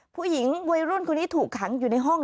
ผู้หญิงวัยรุ่นคนนี้ถูกขังอยู่ในห้อง